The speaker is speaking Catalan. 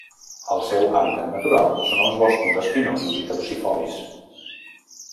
El seu hàbitat natural són els boscos espinosos i caducifolis.